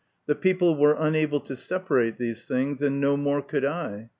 The people were unable to separate these things, and no more could I.